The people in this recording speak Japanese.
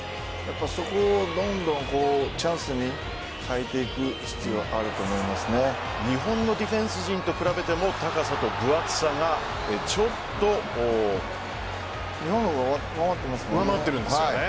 そこをどんどんチャンスに変えていく必要があると日本のディフェンス陣と比べても高さと、ぶ厚さがちょっと上回ってるんですね。